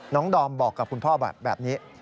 ดอมบอกกับคุณพ่อแบบนี้